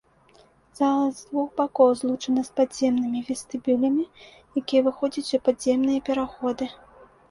Зала з двух бакоў злучана з падземнымі вестыбюлямі, якія выходзяць ў падземныя пераходы.